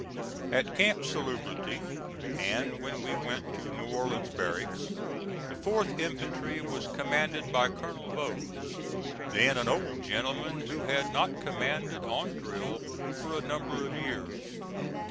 At Camp Salubrity, and when we went to New Orleans Barracks, the 4th infantry was commanded by Colonel Vose, then an old gentleman who had not commanded on drill for a number of years.